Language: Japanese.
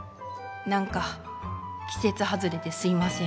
何か季節外れですいません。